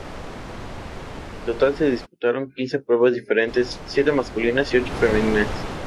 En total se disputaron quince pruebas diferentes, siete masculinas y ocho femeninas.